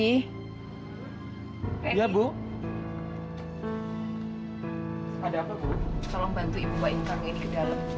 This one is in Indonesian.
iya bu ada apa bu tolong bantu ibu mbak intar ini ke dalam